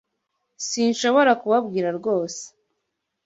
Sinshobora kubabwira rwose.